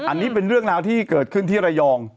อันนี้เป็นเรื่องราวที่เกิดขึ้นที่ระยอง